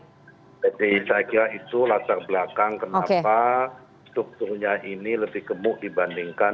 jadi saya kira itu latar belakang kenapa strukturnya ini lebih gemuk dibandingkan